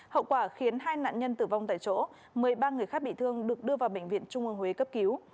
hậu quả khiến hai nạn nhân tử vong tại chỗ một mươi ba người khác bị thương được đưa vào bệnh viện trung ương huế cấp cứu